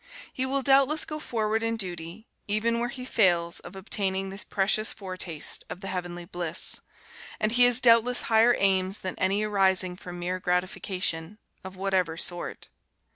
He will doubtless go forward in duty, even where he fails of obtaining this precious foretaste of the heavenly bliss, and he has doubtless higher aims than any arising from mere gratification, of whatever sort.